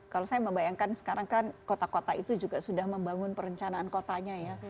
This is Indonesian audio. kalau saya membayangkan sekarang kan kota kota itu juga sudah membangun perencanaan kotanya ya